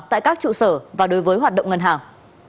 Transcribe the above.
tại các trụ sở và đối với hoạt động ngân hàng